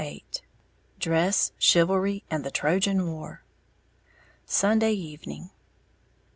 VIII DRESS, CHIVALRY AND THE TROJAN WAR _Sunday Evening.